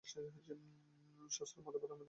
শাস্ত্র বা মতবাদ আমাদিগকে তৃপ্ত করিতে পারে না।